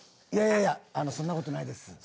いやいやそんなことないです。